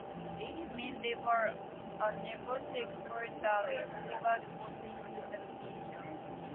This meant they were unable to exploit the rich silver deposits in the region.